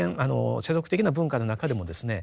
世俗的な文化の中でもですね